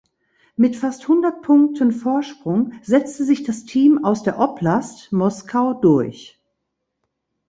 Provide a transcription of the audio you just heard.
Mit fast hundert Punkten Vorsprung setzte sich das Team aus der Oblast Moskau durch.